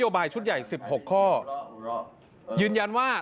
สาสดุตาคือแหวน